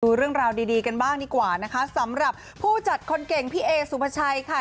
ดูเรื่องราวดีดีกันบ้างดีกว่านะคะสำหรับผู้จัดคนเก่งพี่เอสุภาชัยค่ะ